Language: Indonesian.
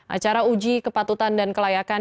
acara uji kepatutan dan kelayakan